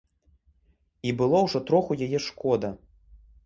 І было ўжо троху яе шкода.